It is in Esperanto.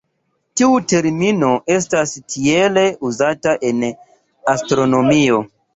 Tiu termino estas tiele uzata en astronomio.